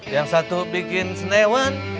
yang satu bikin senyawan